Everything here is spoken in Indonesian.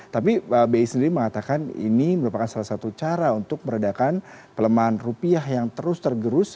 tapi bi sendiri mengatakan ini merupakan salah satu cara untuk meredakan pelemahan rupiah yang terus tergerus